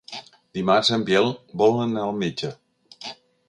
Dimarts en Biel vol anar al metge.